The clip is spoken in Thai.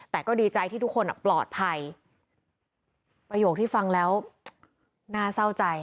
แต่ก็ดีใจที่ทุกคนอ่ะปลอดภัยประโยคที่ฟังแล้วน่าเศร้าใจ